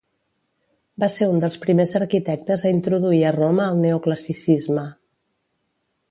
Va ser un dels primers arquitectes a introduir a Roma el neoclassicisme.